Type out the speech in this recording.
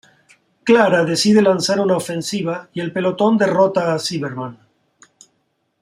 Clara decide lanzar una ofensiva y el pelotón derrota al Cyberman.